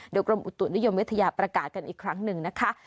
โดยกรมอุตุนิยมวิทยาประกาศกันอีกครั้งหนึ่งนะคะ